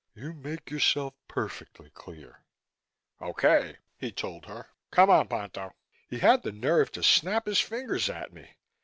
"You make yourself perfectly clear." "Okay," he told her. "Come on, Ponto!" He had the nerve to snap his fingers at me.